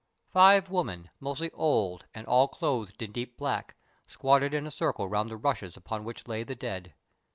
Five women, mostly old and all clothed in deep black, squatted in a circle around the rushes upon which lay the dead.